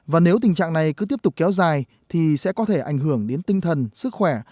và nếu tình trạng này cứ tiếp tục kéo dài thì sẽ có thể ảnh hưởng đến tinh thần sức khỏe